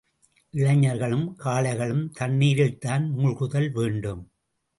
இளைஞர்களும் காளைகளும் தண்ணீரில்தான் மூழ்குதல் வேண்டும்.